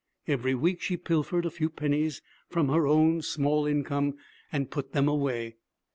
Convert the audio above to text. Every week she pilfered a few pennies from her own small income and put them away.